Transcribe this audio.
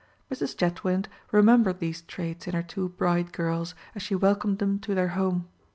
Mrs. Chetwynd remembered these traits in her two bright girls as she welcomed them to their home.